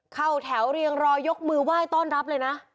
เข้าแถวเรียงรอยกมือไหว้ต้อนรับเลยนะ